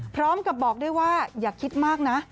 พร้อมกับบอกด้วยว่าอย่าคิดมากนะ